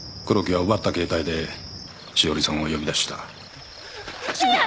黒木は奪った携帯で栞さんを呼び出したイヤッ！